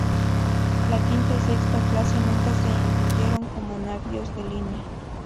La quinta y sexta clases nunca se incluyeron como navíos de línea.